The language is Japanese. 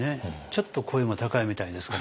ちょっと声も高いみたいですけど。